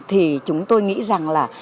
thì chúng tôi nghĩ rằng là